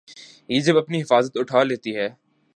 یہ جب اپنی حفاظت اٹھا لیتی ہے۔